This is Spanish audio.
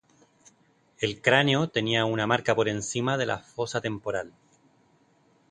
El cráneo tenía una marca por encima de la fosa temporal.